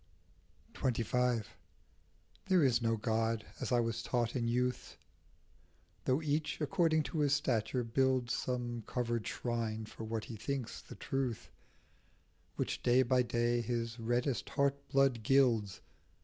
28 XXV. 'TVHERE is no God, as I was taught in A youth, Though each, according to his stature, builds Some covered shrine for what he thinks the truth, Which day by day his reddest heart blood gilds.